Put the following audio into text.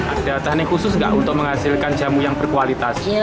ada tahan yang khusus gak untuk menghasilkan jamu yang berkualitas